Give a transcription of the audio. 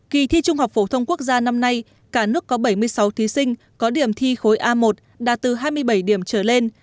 kỳ thi trung học phổ thông quốc gia năm nay cả nước có bảy mươi sáu thí sinh có điểm thi khối a một đạt từ hai mươi bảy điểm trở lên